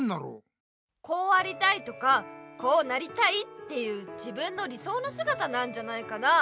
「こうありたい」とか「こうなりたい」っていう自分の理そうのすがたなんじゃないかな。